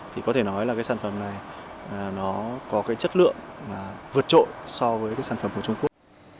thì có thể nói là cái sản phẩm này nó có cái chất lượng vượt trội so với cái sản phẩm của trung quốc